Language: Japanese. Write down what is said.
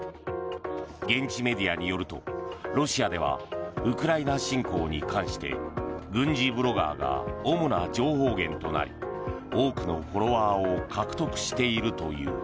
現地メディアによるとロシアではウクライナ侵攻に関して軍事ブロガーが主な情報源となり多くのフォロワーを獲得しているという。